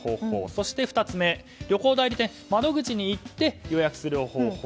そして、２つ目旅行代理店の窓口に行って予約する方法。